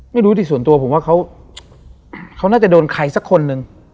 ไม่รู้แต่ส่วนตัวผมว่าเขาน่าจะโดนใครสักคนหนึ่ง